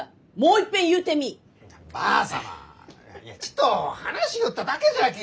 いやちと話しよっただけじゃき！